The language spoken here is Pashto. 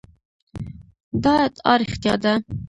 دا ادعا رښتیا ده.